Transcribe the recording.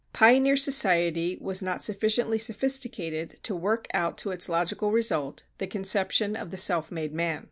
Pioneer society itself was not sufficiently sophisticated to work out to its logical result the conception of the self made man.